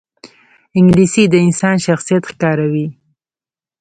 انګلیسي د انسان شخصیت ښکاروي